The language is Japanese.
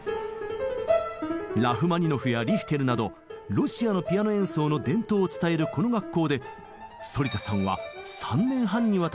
ラフマニノフやリヒテルなどロシアのピアノ演奏の伝統を伝えるこの学校で反田さんは３年半にわたり研さんを積みました。